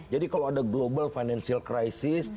jadi kalau ada global financial crisis